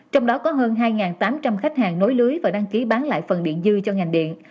trong đó có hơn hai tám trăm linh khách hàng nối lưới và đăng ký bán lại phần điện dư cho ngành điện